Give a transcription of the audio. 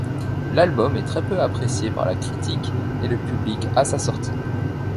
L'album est très peu apprécié par la critique et le public à sa sortie.